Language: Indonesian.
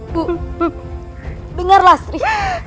bu dengarlah sri